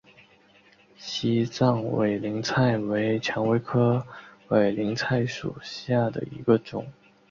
西藏委陵菜为蔷薇科委陵菜属下的一个种。